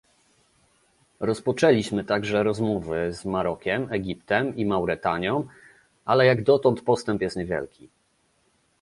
Rozpoczęliśmy także rozmowy z Marokiem, Egiptem i Mauretanią, ale jak dotąd postęp jest niewielki